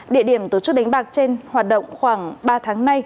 địa điểm tổ chức đánh bạc trên hoạt động khoảng ba tháng nay